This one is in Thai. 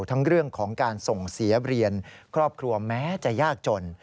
ทั้งเรื่องของการส่งเสียเรียนครอบครัวแม้จะยากจน